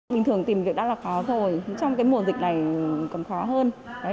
mình thường tìm việc đó là khó thôi trong cái mùa dịch này còn khó hơn